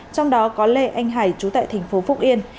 trong đó có lê anh hải chú tệ tp phúc yên